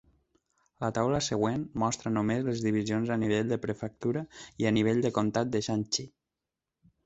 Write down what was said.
La taula següent mostra només les divisions a nivell de prefectura i a nivell de comtat de Shanxi.